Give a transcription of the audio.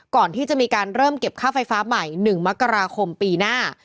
ก่อนที่จะมีการเริ่มเก็บค่าไฟฟ้าใหม่๑มกราคมปีหน้า